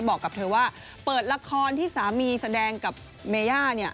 บอกกับเธอว่าเปิดละครที่สามีแสดงกับเมย่าเนี่ย